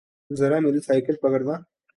ذرامیری cycle پکڑنا